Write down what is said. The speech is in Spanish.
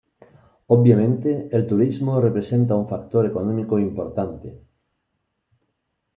Obviamente el turismo representa un factor económico importante.